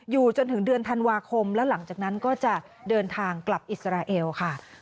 จนถึงเดือนธันวาคมแล้วหลังจากนั้นก็จะเดินทางกลับอิสราเอลค่ะ